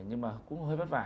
nhưng mà cũng hơi vất vả